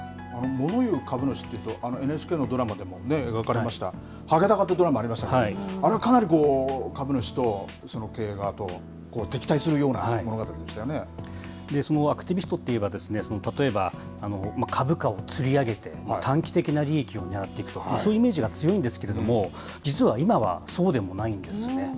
モノ言う株主っていうとＮＨＫのドラマでも描かれました、ハゲタカというドラマありましたけど、あれはかなり株主と経営側と、そのアクティビストっていえば、例えば、株価をつり上げて短期的な利益を狙っていくと、そういうイメージが強いんですけれども、実は今は、そうでもないんですね。